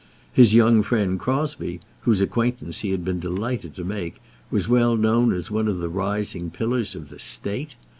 His young friend Crosbie, whose acquaintance he had been delighted to make, was well known as one of the rising pillars of the State.